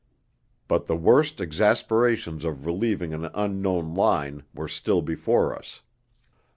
But the worst exasperations of relieving an unknown line were still before us.